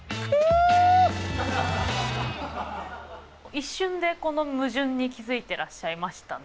一瞬でこの矛盾に気付いてらっしゃいましたね？